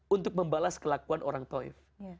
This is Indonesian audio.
untuk membalas kelakuan orang taif